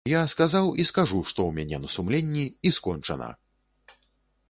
Я сказаў і скажу, што ў мяне на сумленні, і скончана.